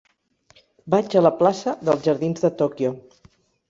Vaig a la plaça dels Jardins de Tòquio.